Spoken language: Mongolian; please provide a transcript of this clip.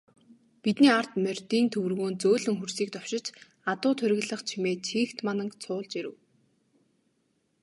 Бидний ард морьдын төвөргөөн зөөлөн хөрсийг товшиж, адуу тургилах чимээ чийгт мананг цуулж ирэв.